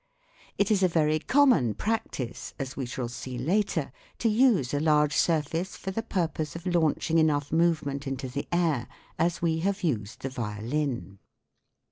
It is a very common practice, as we shall see later (p. 42), to use a large surface for the purpose of launching enough movement into the air, as we have used the violin.